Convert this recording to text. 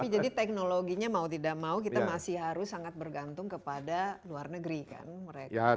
jadi teknologinya mau tidak mau kita masih harus sangat bergantung kepada luar negeri kan mereka